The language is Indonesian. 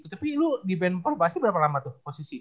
tapi lo dibanding perbasinya berapa lama tuh posisi